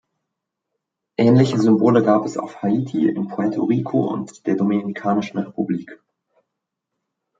Ähnliche Symbole gab es auf Haiti, in Puerto Rico und der Dominikanischen Republik.